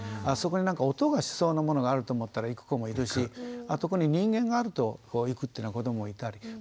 あそこに音がしそうなものがあると思ったら行く子もいるしあそこに人間があると行くっていうような子どももいたり。